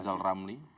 seorang rizal ramli